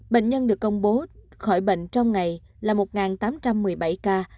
bệnh nhân được công bố khỏi bệnh trong ngày là một tám trăm một mươi bảy ca